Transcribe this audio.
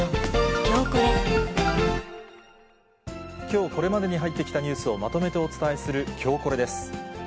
きょう、これまでに入ってきたニュースをまとめてお伝えするきょうコレです。